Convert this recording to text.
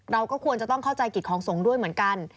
เราก็ควรจะต้องเข้าใจกิจของสงฆ์ด้วยเหมือนกัน